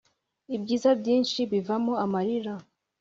ibyiza byinshi bivamo amarira